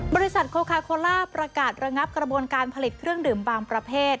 บริษัทโคคาโคล่าประกาศระงับกระบวนการผลิตเครื่องดื่มบางประเภท